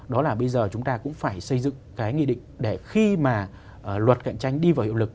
đó là bây giờ chúng ta cũng phải xây dựng cái nghị định để khi mà luật cạnh tranh đi vào hiệu lực